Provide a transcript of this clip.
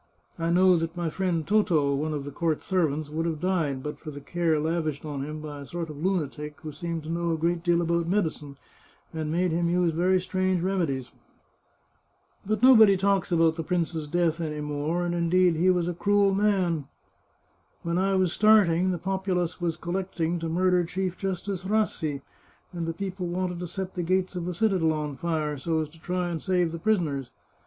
I know that my friend Toto, one of the court serv ants, would have died but for the care lavished on him 433 The Chartreuse of Parma by a sort of lunatic who seemed to know a great deal about medicine, and made him use very strange remedies. But nobody talks about the prince's death any more, and, indeed, he was a cruel man. When I was starting, the populace was collecting to murder Chief Justice Rassi, and the people wanted to set the gates of the citadel on fire, so as to try and save the prisoners.